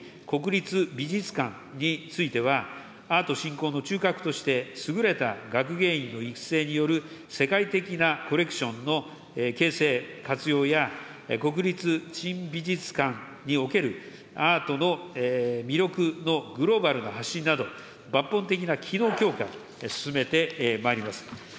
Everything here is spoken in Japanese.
国立美術館については、アート振興の中核として、優れた学芸員の育成による世界的なコレクションの形成、活用や、国立新美術館におけるアートの魅力のグローバルな発信など、抜本的な機能強化、進めてまいります。